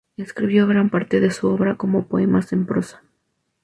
Escribió gran parte de su obra como poemas en prosa.